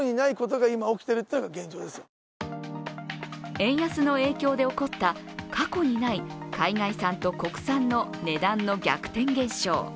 円安の影響で起こった過去にない海外産と国産の値段の逆転現象。